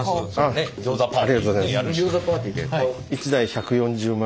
ありがとうございます。